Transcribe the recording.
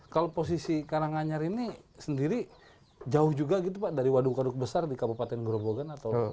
kalau posisi karanganyar ini sendiri jauh juga gitu pak dari waduk waduk besar di kabupaten grobogan atau